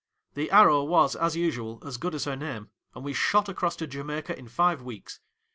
The " Arrow " was, as usual, as good as her name, and we shot across to Jamaica in five weeks.